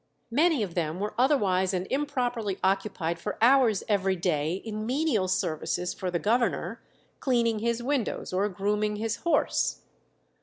Many of them were otherwise and improperly occupied for hours every day in menial services for the governor, cleaning his windows or grooming his horse.